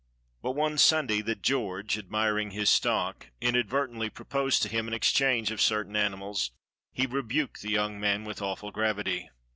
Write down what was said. But one Sunday that George, admiring his stock, inadvertently proposed to him an exchange of certain animals, he rebuked the young man with awful gravity.